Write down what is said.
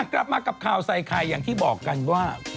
กลับมากับข่าวใส่ไข่อย่างที่บอกกันว่า